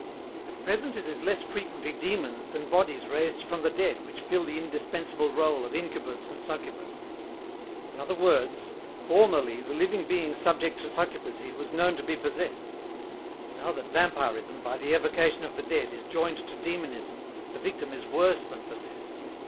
"At present it is less frequently demons than bodies raised from the dead which fill the indispensable rôle of incubus and succubus. In other words, formerly the living being subject to succubacy was known to be possessed. Now that vampirism, by the evocation of the dead, is joined to demonism, the victim is worse than possessed.